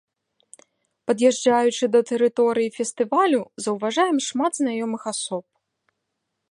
Пад'язджаючы да тэрыторыі фестывалю, заўважаем шмат знаёмых асоб.